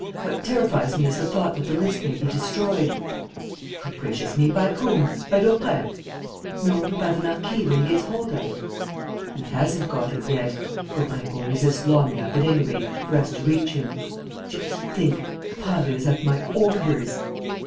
What terrifies me is the thought that the list may be destroyed." "Goodness gracious me, by whom? By Daubrecq?" "No, but by the marquis, when he gets hold of it." "He hasn't got it yet! Daubrecq will resist long enough, at any rate, for us to reach him. Just think! Prasville is at my orders!"